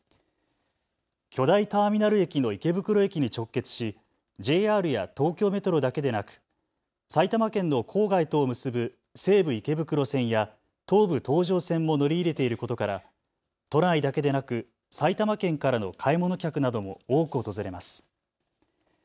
巨大ターミナル駅の池袋駅に直結しＪＲや東京メトロだけでなく埼玉県の郊外とを結ぶ西武池袋線や東武東上線も乗り入れていることから都内だけでなく埼玉県からの買い物客なども多く訪れます。